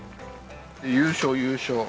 優勝優勝。